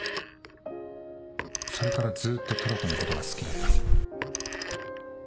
それからずっとトラコのことが好きだった。